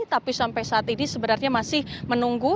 tapi sampai saat ini sebenarnya masih menunggu